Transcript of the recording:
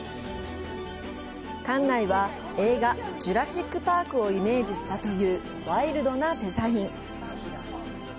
館内は、映画「ジュラシック・パーク」をイメージしたというワイルドなデザイン。